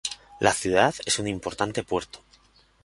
La ciudad es un importante puerto.